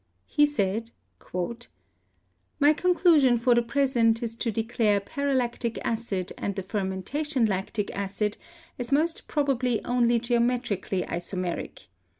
He said, "My conclusion for the present is to declare paralactic acid and the fermentation lactic acid as most probably only geometrically isomeric.